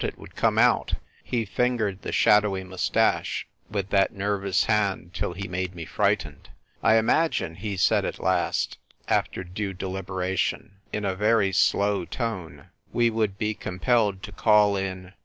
Tl would come out ; he fingered the shadowy moustache with that nervous hand till he made me frightened. " I imagine," he said at last, after due deliberation, in a very slow tone, "we would be compelled to call in